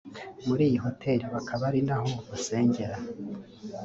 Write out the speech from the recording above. muri iyi hotel bakaba ari naho basengera